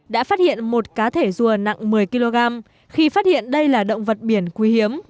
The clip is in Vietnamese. đã phát hiện một cá thể rùa nặng một mươi kg khi phát hiện đây là động vật biển quý hiếm